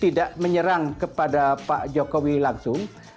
tidak menyerang kepada pak jokowi langsung